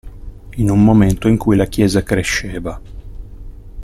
In un momento in cui la Chiesa cresceva.